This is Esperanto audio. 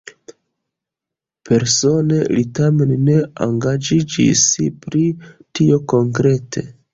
Persone li tamen ne engaĝiĝis pri tio konkrete.